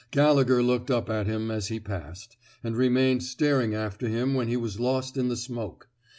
Gallegher looked up at him as he passed, and remained staring after him when he was lost in the smoke.